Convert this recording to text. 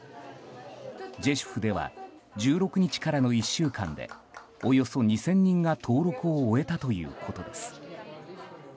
ジェシュフでは１６日からの１週間でおよそ２０００人が登録を終えたということです。